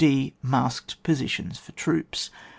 \i) Masked positions for troops.